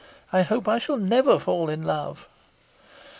I hope I shall never fall in love."